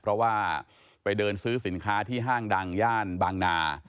เพราะว่าไปเดินซื้อสินค้าที่ห้างดังย่านบางนา